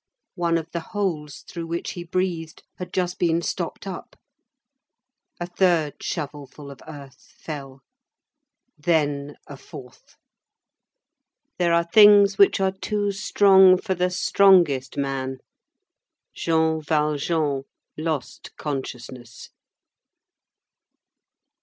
One of the holes through which he breathed had just been stopped up. A third shovelful of earth fell. Then a fourth. There are things which are too strong for the strongest man. Jean Valjean lost consciousness.